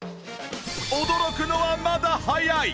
驚くのはまだ早い！